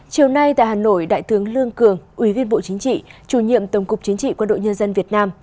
chiều nay tại hà nội đại tướng lương cường ubnd chủ nhiệm tổng cục chính trị quân đội nhân dân việt nam